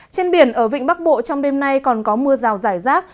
trên biển ở vịnh bắc bộ trong đêm nay còn có mưa rào rải rác